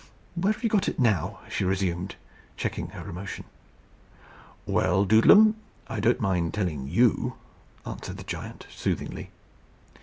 "Where have you got it now?" she resumed, checking her emotion. "Well, Doodlem, I don't mind telling you," answered the giant, soothingly.